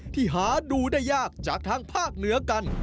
ที่หาดูได้ยากจากทางภาคเหนือกัน